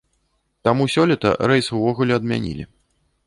Таму сёлета рэйс увогуле адмянілі.